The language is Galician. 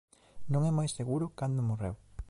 Non é moi seguro cando morreu.